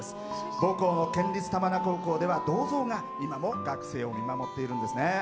母校の県立玉名高校では銅像が今も学生を見守っているんですね。